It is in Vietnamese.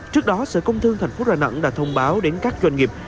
trước đó sở công thương tp hcm đã thông báo đến các doanh nghiệp